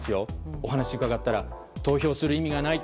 お話を伺ったら投票する意味がない。